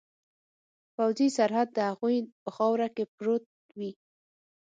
پوځي سرحد د هغوی په خاوره کې پروت وي.